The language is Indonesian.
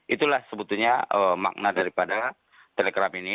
itulah sebetulnya makna daripada telegram ini